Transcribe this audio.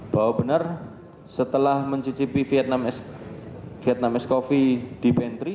bahwa benar setelah mencicipi vietnam ice coffee di pentri